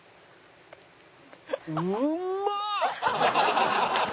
うまっ！